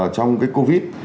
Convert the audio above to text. trong cái covid